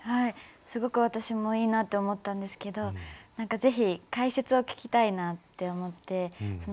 すごく私もいいなって思ったんですけどぜひ解説を聞きたいなって思って。